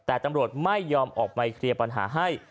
แต่ตำรวจไม่ยอมออกไปเคลียร์ปัญหาให้